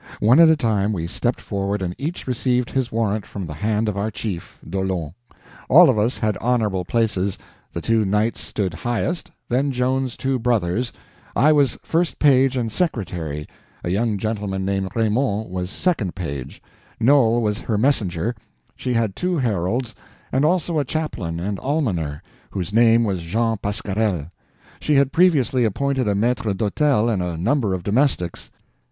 One at a time we stepped forward and each received his warrant from the hand of our chief, D'Aulon. All of us had honorable places; the two knights stood highest; then Joan's two brothers; I was first page and secretary, a young gentleman named Raimond was second page; Noel was her messenger; she had two heralds, and also a chaplain and almoner, whose name was Jean Pasquerel. She had previously appointed a maitre d'hotel and a number of domestics.